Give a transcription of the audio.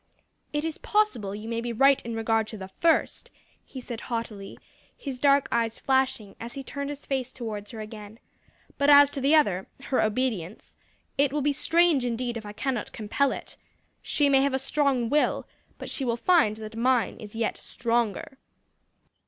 "It is possible you may be right in regard to the first," he said haughtily, his dark eyes flashing, as he turned his face towards her again, "but as to the other her obedience it will be strange indeed if I cannot compel it. She may have a strong will, but she will find that mine is yet stronger."